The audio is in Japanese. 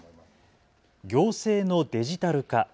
行政のデジタル化。